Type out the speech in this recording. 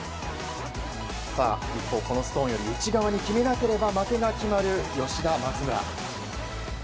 一方、このストーンより内側に決めなければ負けが決まる吉田、松村。